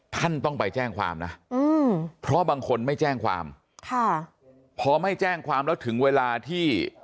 ท่านต้องไปแจ้งความนะอืมเพราะบางคนไม่แจ้งความค่ะพอไม่แจ้งความแล้วถึงเวลาที่